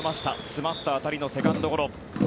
詰まった当たりのセカンドゴロ。